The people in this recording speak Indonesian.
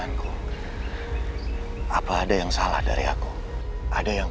dan coba aku menanggapi apa itu yang keadaannya